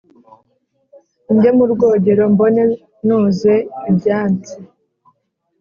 njye murwogero mbone noze ibyansi"